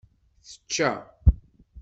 Tečča.